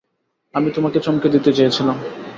আমি তোমাকে চমকে দিতে চেয়েছিলাম।